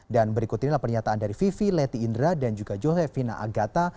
dan berikut inilah pernyataan dari vivi leti indra dan juga josefina agata